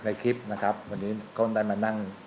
ในคลิปนะครับวันนี้ก็ได้มานั่ง